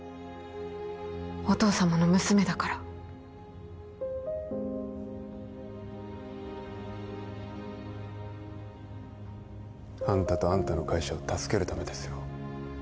お父様の娘だからあんたとあんたの会社を助けるためですよ